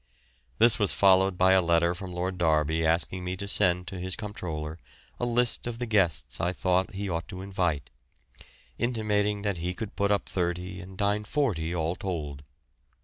This was followed by a letter from Lord Derby asking me to send to his comptroller a list of the guests I thought he ought to invite, intimating that he could put up thirty and dine forty all told.